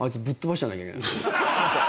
すいません。